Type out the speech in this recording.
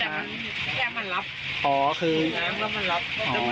แต่มันมันรับอ๋อคือมันรับอ๋อ